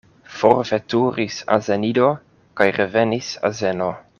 Forveturis azenido kaj revenis azeno.